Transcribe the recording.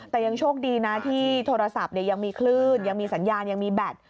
แต่ยังโชคดีนะที่โทรศัพท์ยังมีคลื่นยังมีสัญญาณยังมีแบต